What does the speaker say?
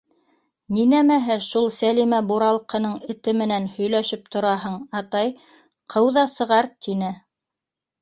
— Ни нәмәһе шул Сәлимә буралҡының эте менән һөйләшеп тораһың, атай, ҡыу ҙа сығар! — тине.